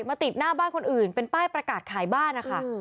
ติดหน้าบ้านคนอื่นเป็นป้ายประกาศขายบ้านนะคะ